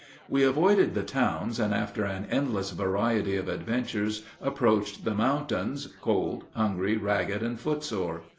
We avoided the towns, and after an endless variety of adventures approached the mountains, cold, hungry, ragged, and foot sore.